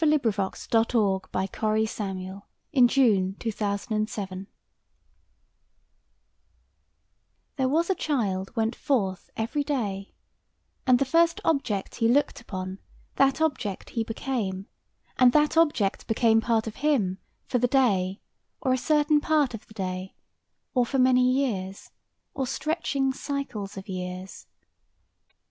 Leaves of Grass. 1900. 103. There was a Child went Forth THERE was a child went forth every day; And the first object he look'd upon, that object he became; And that object became part of him for the day, or a certain part of the day, or for many years, or stretching cycles of years.